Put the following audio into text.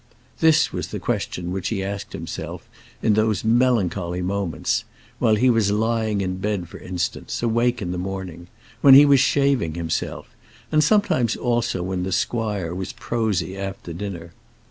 This was the question which he asked himself in those melancholy moments; while he was lying in bed, for instance, awake in the morning, when he was shaving himself, and sometimes also when the squire was prosy after dinner.